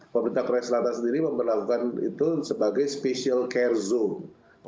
pemerintah korea selatan sendiri memperlakukan itu sebagai special care zoom